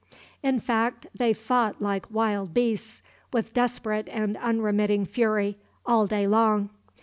In fact, they fought like wild beasts, with desperate and unremitting fury, all day long.